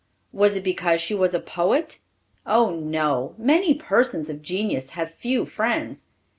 Was it because she was a poet? Oh no! many persons of genius have few friends.